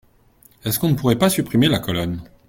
Est-ce qu’on ne pourrait pas supprimer la colonne ?